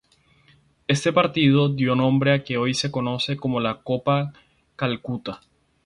Este partido dio nombre a lo que hoy se conoce como la Copa Calcuta.